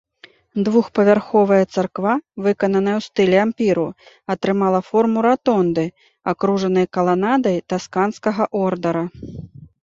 Двухпавярховая царква, выкананая ў стылі ампіру, атрымала форму ратонды, акружанай каланадай тасканскага ордара.